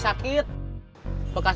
so forma jangan